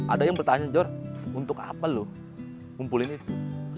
ada yang bertanya jor untuk apa lo ngumpulin itu